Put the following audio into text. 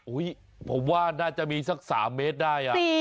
ผมว่าน่าจะมีสัก๓เมตรได้